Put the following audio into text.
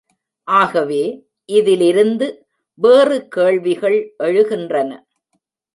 ஆகவே, இதிலிருந்து வேறு கேள்விகள் எழுகின்றன.